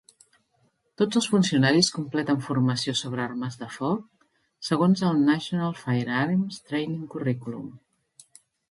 Tots els funcionaris completen formació sobre armes de foc segons el National Firearms Training Curriculum.